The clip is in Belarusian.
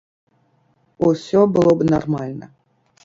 Усё было б нармальна.